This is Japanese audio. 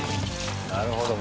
なるほど。